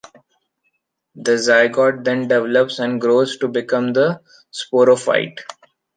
The zygote then develops and grows to become the sporophyte.